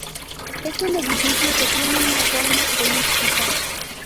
Es un edificio que tiene una forma elíptica.